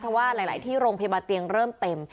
เพราะว่าหลายที่โรงพยาบาลเตียงเริ่มเต็ม